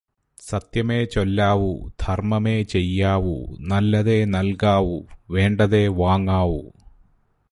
സത്യമേ ചൊല്ലാവൂ ധർമ്മമേ ചെയ്യാവൂ നല്ലതേ നൽകാവൂ വേണ്ടതേ വാങ്ങാവൂ.